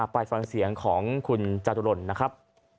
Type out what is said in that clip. ไปฟังเสียงของคุณจตุรนนะครับ